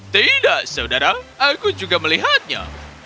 tidak saudara aku juga melihatnya